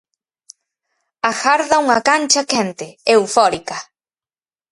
Agarda unha cancha quente, eufórica.